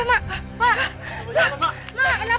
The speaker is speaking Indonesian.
mak kenapa mak